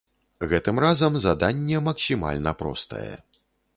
Гэтым разам заданне максімальна простае.